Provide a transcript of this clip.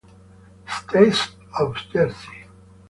States of Jersey.